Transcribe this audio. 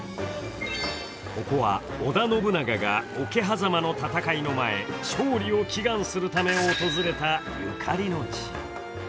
ここは織田信長が桶狭間の戦いの前、勝利を祈願するため訪れたゆかりの地。